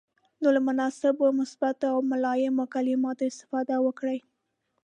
نو له مناسبو، مثبتو او ملایمو کلماتو استفاده وکړئ.